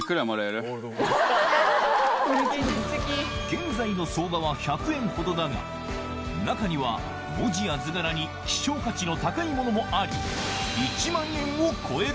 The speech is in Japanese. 現在の相場は１００円ほどだが中には文字や図柄に希少価値の高いものもあり